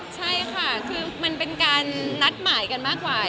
ใช่ค่ะคือมันเป็นการนัดหมายกันมากกว่า